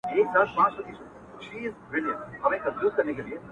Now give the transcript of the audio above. د یارانې مثال د تېغ دی!